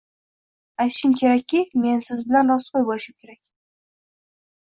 Aytishim kerakki, men siz bilan rostgoʻy boʻlishim kerak